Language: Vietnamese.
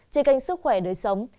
chỉ kênh sức khỏe đời sống